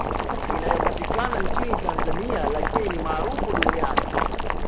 Inayopatikana nchini Tanzania lakini ni maarufu duniani